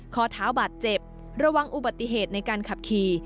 ข้อเท้าบาดเจ็บระวังอุบัติเหตุในการขับขี่